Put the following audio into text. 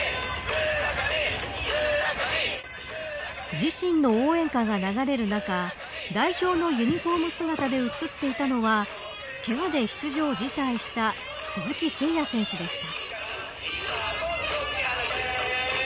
自身の応援歌が流れる中代表のユニホーム姿で映っていたのはけがで出場辞退した鈴木誠也選手でした。